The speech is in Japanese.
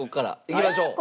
いきましょう。